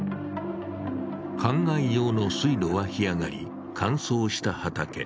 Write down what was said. かんがい用の水路は干上がり乾燥した畑。